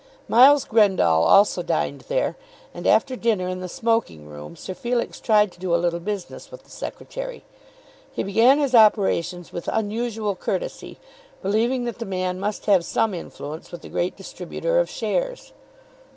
Miles Grendall also dined there, and after dinner, in the smoking room, Sir Felix tried to do a little business with the Secretary. He began his operations with unusual courtesy, believing that the man must have some influence with the great distributor of shares.